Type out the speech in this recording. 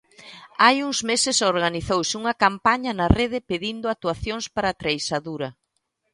Hai uns meses organizouse unha campaña na rede pedindo actuacións para Treixadura.